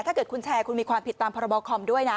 ถ้าเกิดคุณแชร์คุณมีความผิดตามพรบคอมด้วยนะ